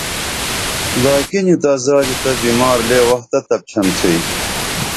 لاکینی تا زادی بیمار لے وختہ تپچھن تُھوئی